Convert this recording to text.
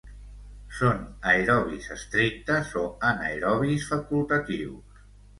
Són aerobis estrictes o anaerobis facultatius.